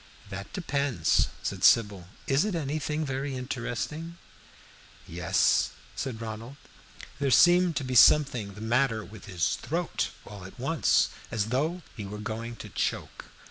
"That depends," said Sybil. "Is it anything very interesting?" "Yes," said Ronald. There seemed to be something the matter with his throat all at once, as though he were going to choke.